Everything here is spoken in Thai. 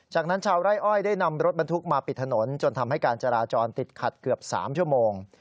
จากนั้นชาวไร่อ้อยได้นำรถบรรทุกมาปิดถนนจนทำให้การจราจรติดขัดเกือบ๓ชั่วโมง